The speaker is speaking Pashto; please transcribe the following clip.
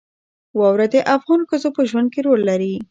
واوره د افغان ښځو په ژوند کې رول لري.